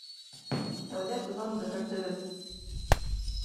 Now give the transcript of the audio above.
Тәүҙә туҙанды һөртөгөҙ